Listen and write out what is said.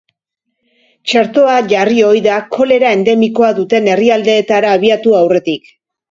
Txertoa jarri ohi da kolera endemikoa duten herrialdeetara abiatu aurretik.